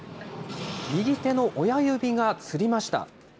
右手の親指がつりました。